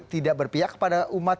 tidak berpihak kepada umat